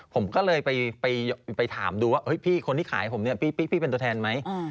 ผมก็เลยไปถามดูว่าพี่คนที่ขายผมเนี่ยพี่เป็นตัวแทนไหม